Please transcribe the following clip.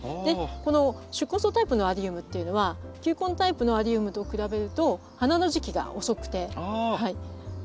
この宿根草タイプのアリウムっていうのは球根タイプのアリウムと比べると花の時期が遅くて夏に咲くっていう。